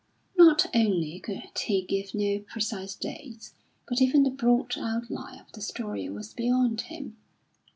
Not only could he give no precise dates, but even the broad outline of the story was beyond him.